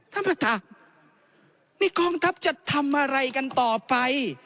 ท่านประธานนี่กองทัพจะทำอะไรกันต่อไป